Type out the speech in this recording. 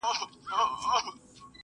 زه بايد موسيقي اورم؟